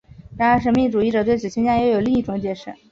然而神秘主义者对此现象又有另一种解释。